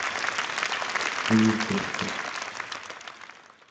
ciissirtuq